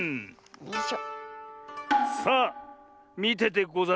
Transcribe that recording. よいしょ。